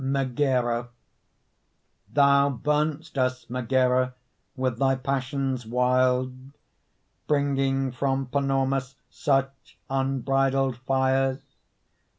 MEGARA Thou burnest us, Megara, With thy passions wild; Bringing from Panormus Such unbridled fires.